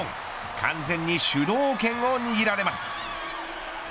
完全に主導権を握られます。